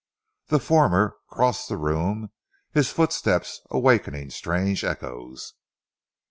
The former crossed the room, his footsteps awaking strange echoes.